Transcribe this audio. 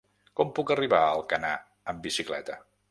Com puc arribar a Alcanar amb bicicleta?